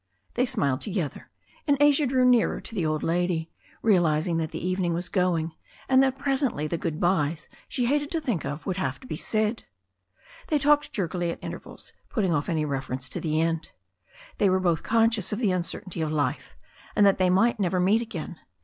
They smiled together, and Asia drew nearer to the old lady, realizing that the evening was going, and that pres ently the good byes she hated to think of would have to be said. 236 THE STORY OF A NEW ZEALAND RIVER They talked jerkily at intervals, putting off any reference to the end. They were both conscious of the uncertainty of life, and that they might never meet again.